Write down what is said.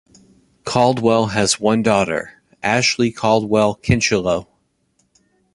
Caldwell has one daughter, Ashley Caldwell Kincheloe.